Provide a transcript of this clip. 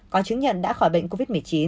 có chứng nhận đã khỏi bệnh covid một mươi chín